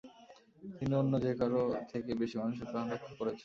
তিনি অন্য যে কারো থেকে বেশি মানুষের প্রাণ রক্ষা করেছেন।